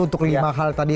untuk lima hal tadi